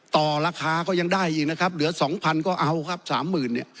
ต่อราคาก็ยังได้อีกนะครับเหลือสองพันก็เอาครับสามหมื่นเนี่ย